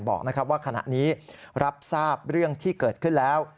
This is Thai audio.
บอกว่าขณะนี้รับทราบเรื่องที่เกิดขึ้นแล้ว